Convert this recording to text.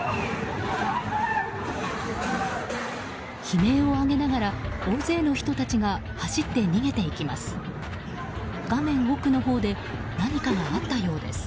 悲鳴を上げながら大勢の人たちが走って逃げていきます。